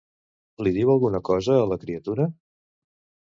Li diu alguna cosa a la criatura?